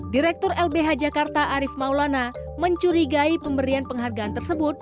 direktur lbh jakarta arief maulana mencurigai pemberian penghargaan tersebut